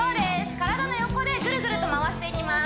体の横でグルグルと回していきます